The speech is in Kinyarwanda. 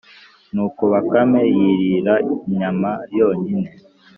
nuko bakame yirira inyama yonyine.